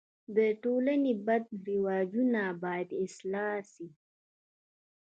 د ټولني بد رواجونه باید اصلاح سي.